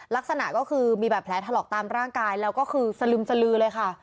ลักษณะก็คือมีแบบแผลถลอกตามร่างกายแล้วก็คือสลึมสลือเลยค่ะ